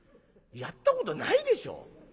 やったことないでしょ。